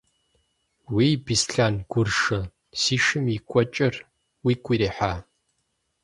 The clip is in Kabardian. Уий, Беслъэн гурышэ, си шым и кӀуэкӀэр уигу ирихьа?